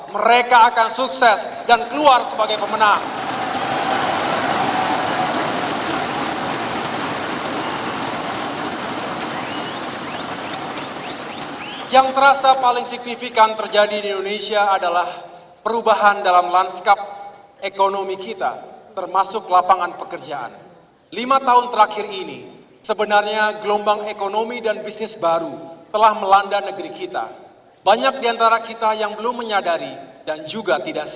mereka akan sukses dan keluar sebagai pemenang